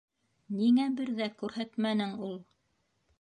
Ниңә бер ҙә күрһәтмәнең ул?